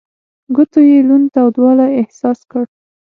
ګوتو يې لوند تودوالی احساس کړ.